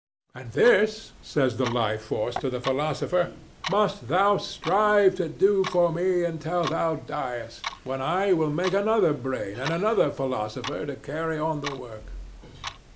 And this" says the Life Force to the philosopher "must thou strive to do for me until thou diest, when I will make another brain and another philosopher to carry on the work."